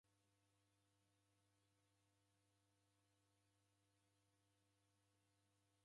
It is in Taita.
Kwaki W'aMasai w'inywagha bagha iranganyiro na mariw'a?